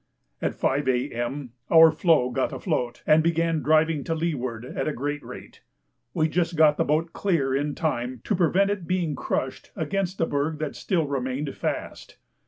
At 5 A.M. our floe got afloat, and began driving to leeward at a great rate. We just got the boat clear in time to prevent its being crushed against a berg that still remained fast.